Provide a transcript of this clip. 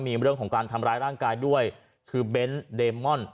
มีเรื่องของการทำร้ายร่างกายด้วยคือเบนท์เดมอน